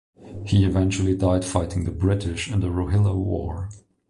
He eventually died fighting the British in the Rohilla War.